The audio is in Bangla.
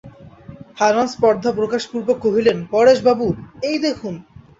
হারান স্পর্ধা প্রকাশপূর্বক কহিলেন, পরেশবাবু, এই দেখুন।